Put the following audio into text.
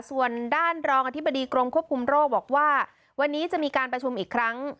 ส่วนด้านรองอธิบดีกรมควบคุมโรคบอกว่าวันนี้จะมีการประชุมอีกครั้ง